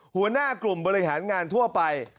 หัวหน้ากลุ่มบริหารงานทั่วไป